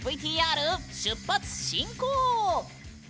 ＶＴＲ出発進行！